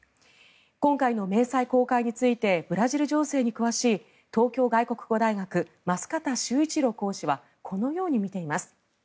今回の明細公開についてブラジル情勢に詳しい東京外国語大学舛方周一郎講師はこのように見ています。